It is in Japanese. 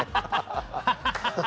ハハハハ！